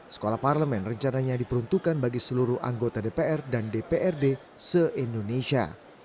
sekolah parlemen rencananya diperuntukkan bagi seluruh anggota dpr dan dprd se indonesia